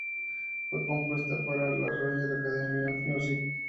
Fue compuesta para la Royal Academy of Music.